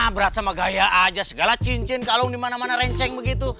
berat sama gaya aja segala cincin kalung di mana mana renceng begitu